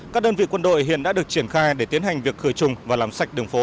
các đơn vị quân đội hiện đã được triển khai để tiến hành việc khởi trùng và làm sạch đường phố